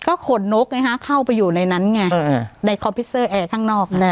ก็ขนนกไงฮะเข้าไปอยู่ในนั้นไงในคอมพิวเซอร์แอร์ข้างนอกแน่